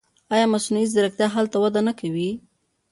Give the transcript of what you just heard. آیا مصنوعي ځیرکتیا هلته وده نه کوي؟